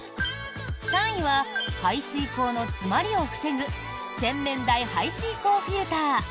３位は、排水口の詰まりを防ぐ洗面台排水口フィルター。